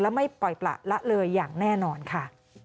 และไม่ปล่อยประละเลยอย่างแน่นอนค่ะ